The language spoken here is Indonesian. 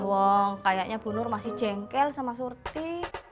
wong kayaknya bu nur masih jengkel sama surti